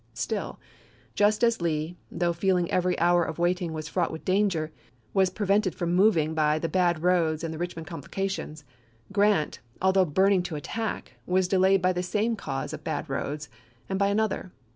Still — just as Lee, though feeling every hour of waiting was fraught with danger, was prevented from moving by the bad roads and the Richmond complications — Grant, although burning to attack, was delayed by the same cause of bad roads, and by another.